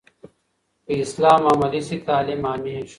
که اسلام عملي سي، تعلیم عامېږي.